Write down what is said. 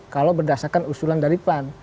kalau berdasarkan usulan dari pan